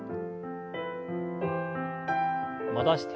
戻して。